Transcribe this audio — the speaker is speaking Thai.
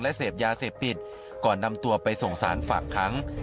และเสพยาเสพติดก่อนนำตัวไปส่งสารฝากค้าง